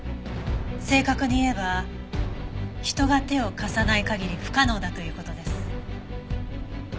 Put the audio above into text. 正確に言えば人が手を貸さない限り不可能だという事です。